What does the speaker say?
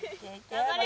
頑張れ！